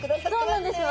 そうなんですよ。